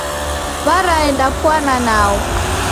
W'araendapwana nao.